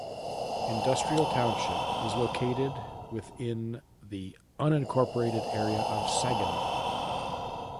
Industrial Township is located within the unincorporated area of Saginaw.